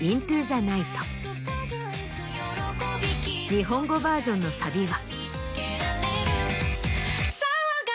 日本語バージョンのサビは。